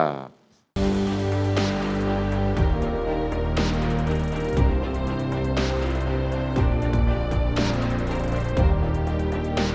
jangan lupa subscribe like komen dan share